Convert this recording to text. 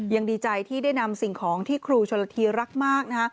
ยังดีใจที่ได้นำสิ่งของที่ครูชนละทีรักมาก